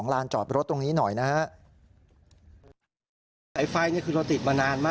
ว่าอุปกรณ์ตรงไหนมันมีการชำรุดเสียหาย